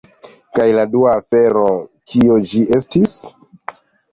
Kaj la dua afero... kio ĝi estis?